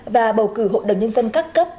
và bầu cử hội đồng nhân dân các cấp